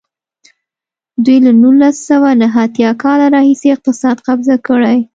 دوی له نولس سوه نهه اتیا کال راهیسې اقتصاد قبضه کړی.